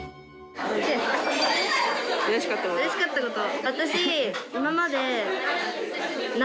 うれしかったこと。